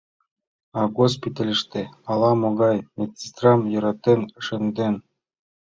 А госпитальыште ала-могай медсестрам йӧратен шынден.